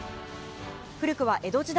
古くは江戸時代